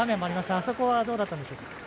あそこはどうだったんでしょうか。